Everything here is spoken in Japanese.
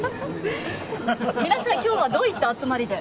皆さん、今日はどういった集まりで？